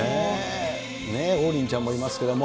王林ちゃんもいますけども。